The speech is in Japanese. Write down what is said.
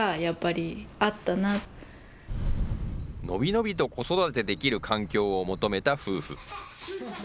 伸び伸びと子育てできる環境を求めた夫婦。